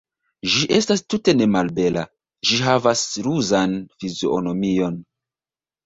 Ĝi estas tute nemalbela, ĝi havas ruzan fizionomion.